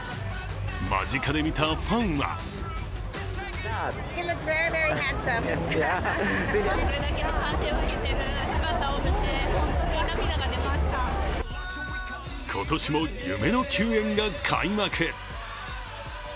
間近で見たファンは今年も夢の球宴が開幕。